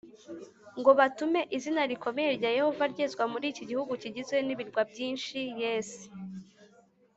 ngo batume izina rikomeye rya Yehova ryezwa muri iki gihugu kigizwe n ibirwa byinshi Yes